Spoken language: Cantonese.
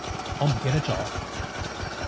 我唔記得咗